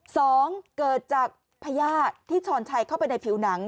สองเกิดจากพญาติที่ช้อนชัยเข้าไปในผิวหนัง